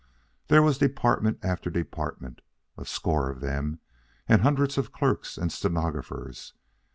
There was department after department, a score of them, and hundreds of clerks and stenographers.